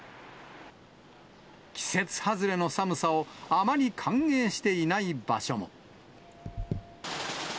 季節外れの寒さをあまり歓迎していない場所も。